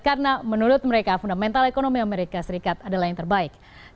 karena menurut mereka fundamental ekonomi amerika serikat adalah yang terbaik